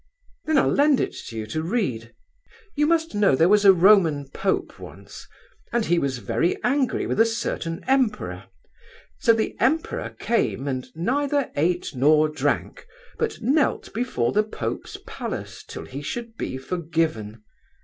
'Then I'll lend it to you to read. You must know there was a Roman Pope once, and he was very angry with a certain Emperor; so the Emperor came and neither ate nor drank, but knelt before the Pope's palace till he should be forgiven.